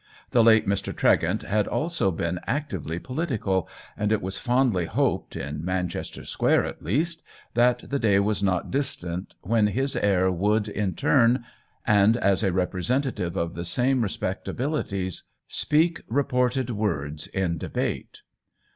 The late Mr. Tregent had also been actively po litical, and it was fondly hoped, in Man chester Square at least, that the day was not distant when his heir would, in turn, and as a representative of the same respectabil ities, speak reported words in debate.